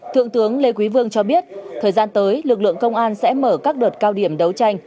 thượng tướng lê quý vương cho biết thời gian tới lực lượng công an sẽ mở các đợt cao điểm đấu tranh